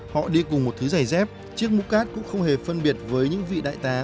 họ đi cùng một thứ giày dép chiếc mũ cát cũng không hề phân biệt với những vị đại tá